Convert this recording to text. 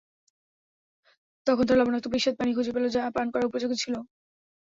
তখন তারা লবণাক্ত বিস্বাদ পানি খুঁজে পেল, যা পান করার উপযোগী ছিল না।